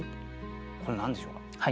これ何でしょうか？